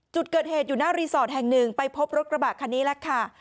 จุดเกิดเหตุอยู่หน้ารีสอร์ทแห่งหนึ่งไปพบรถกระบะคันนี้แหละค่ะ